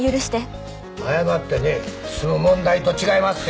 謝ってね済む問題と違いまっせ。